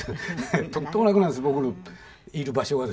とっても楽なんです僕のいる場所はですね。